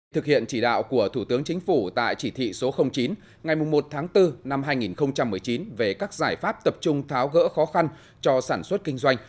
thực hiện chỉ đạo của thủ tướng chính phủ tại chỉ thị số chín ngày một tháng bốn năm hai nghìn một mươi chín về các giải pháp tập trung tháo gỡ khó khăn cho sản xuất kinh doanh